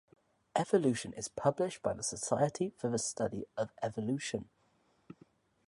"Evolution" is published by the Society for the Study of Evolution.